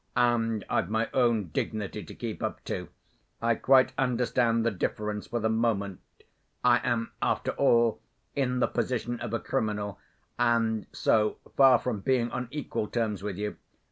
And I've my own dignity to keep up, too. I quite understand the difference for the moment. I am, after all, in the position of a criminal, and so, far from being on equal terms with you.